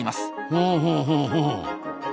ほうほうほうほう。